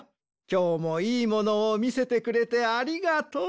きょうもいいものをみせてくれてありがとう。